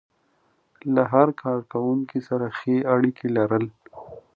له هر کار کوونکي سره ښې اړيکې لرل.